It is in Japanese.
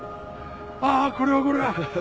ああこれはこれは！